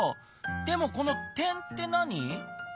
でもこの「てん」って何？